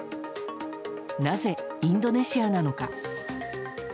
なぜ、インドネシアなのか。